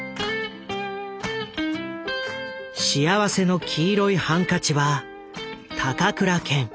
「幸福の黄色いハンカチ」は高倉健